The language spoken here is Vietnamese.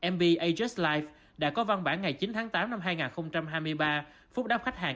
mb ajust life đã có văn bản ngày chín tháng tám năm hai nghìn hai mươi ba phúc đáp khách hàng